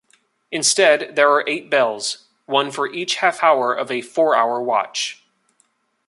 Instead, there are eight bells, one for each half-hour of a four-hour watch.